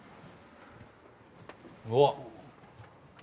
うわっ。